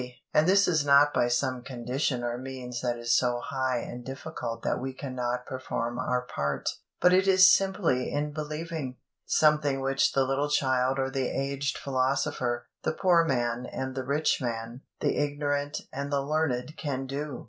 And this is not by some condition or means that is so high and difficult that we cannot perform our part, but it is simply "in believing " something which the little child or the aged philosopher, the poor man and the rich man, the ignorant and the learned can do.